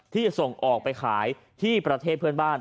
ที่จะส่งออกไปขายที่ประเทศเพื่อนบ้าน